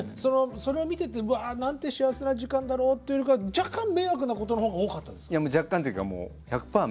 それを見ていて「うわなんて幸せな時間だろう」というよりかは若干迷惑なことの方が多かったですか？